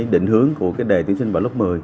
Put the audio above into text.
định hướng của đề tuyển sinh vào lớp một mươi